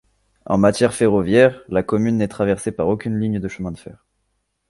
En matière ferroviaire, la commune n'est traversée par aucune ligne de chemin de fer.